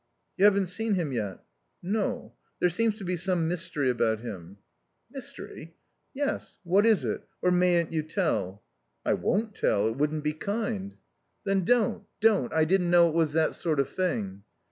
"You haven't seen him yet?" "No. There seems to be some mystery about him." "Mystery?" "Yes. What is it? Or mayn't you tell?" "I won't tell. It wouldn't be kind." "Then don't don't. I didn't know it was that sort of thing."